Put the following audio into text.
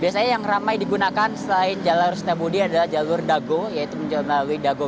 saya yang ramai digunakan selain jalur setiap budi adalah jalur dago yaitu menjelang melalui dago